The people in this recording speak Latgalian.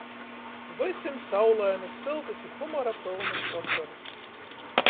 Vysim saulainys, syltys i humora pylnys vosorys!!!...